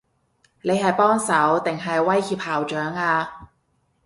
你係幫手，定係威脅校長啊？